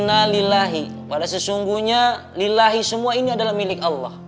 inna lillahi pada sesungguhnya lillahi semua ini adalah milik allah